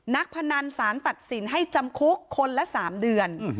พนันสารตัดสินให้จำคุกคนละ๓เดือน